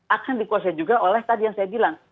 akan dikuasai juga oleh tadi yang saya bilang